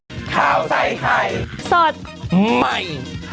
โปรดติดตามตอนต่อไป